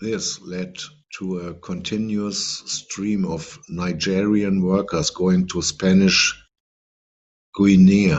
This led to a continuous stream of Nigerian workers going to Spanish Guinea.